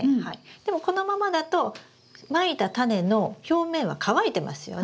でもこのままだとまいたタネの表面は乾いてますよね。